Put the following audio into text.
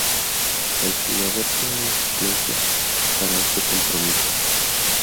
El jugador quedó en la suplencia para este compromiso.